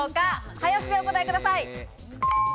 早押しでお答えください。